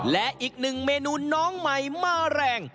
และอีกหนึ่งเมนูน้องใหม่มาแรง